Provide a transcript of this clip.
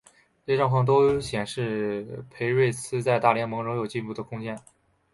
这些状况都显示裴瑞兹在大联盟仍有继续进步的空间。